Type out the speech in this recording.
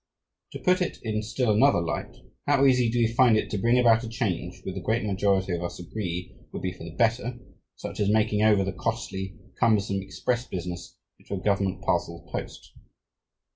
To put it in still another light, how easy do we find it to bring about a change which the great majority of us agree would be for the better, such as making over the costly, cumbersome express business into a government parcels post?